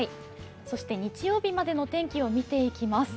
そして日曜日までの天気を見ていきます。